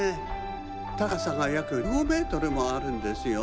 たかさがやく１５メートルもあるんですよ。